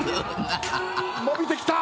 伸びてきた。